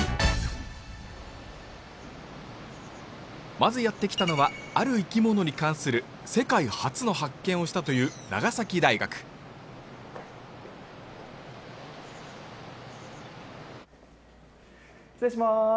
まずやって来たのはある生き物に関する世界初の発見をしたという長崎大学失礼します